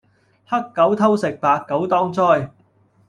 黑狗偷食，白狗當災